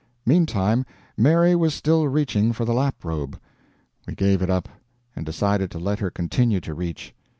Meantime Mary was still reaching for the lap robe. We gave it up, and decided to let her continue to reach.